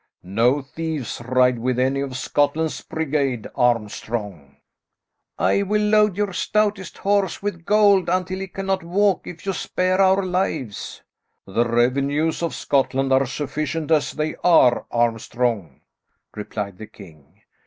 "No thieves ride with any of Scotland's brigade, Armstrong." "I will load your stoutest horse with gold until he cannot walk, if you spare our lives." "The revenues of Scotland are sufficient as they are, Armstrong," replied the king.